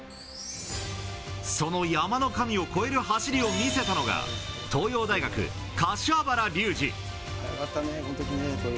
その山の神を超える走りを見せたのが、東洋大学、柏原竜二。